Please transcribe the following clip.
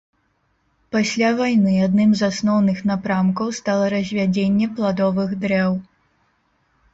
Пасля вайны адным з асноўных напрамкаў стала развядзенне пладовых дрэў.